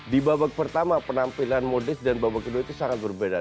di babak pertama penampilan modris dan babak kedua itu sangat berbeda